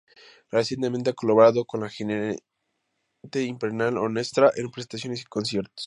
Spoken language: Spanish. Recientemente ha colaborado con la gigante Imperial Orchestra en presentaciones y conciertos.